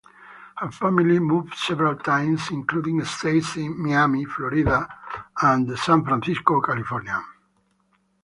Her family moved several times including stays in Miami, Florida and San Francisco, California.